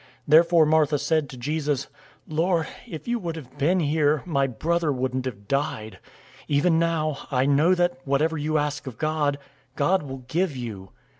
011:021 Therefore Martha said to Jesus, "Lord, if you would have been here, my brother wouldn't have died. 011:022 Even now I know that, whatever you ask of God, God will give you."